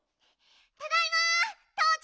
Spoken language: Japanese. ただいまとうちゃん！